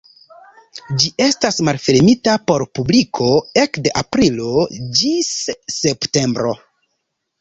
Ĝi estas malfermita por publiko ekde aprilo ĝis septembro.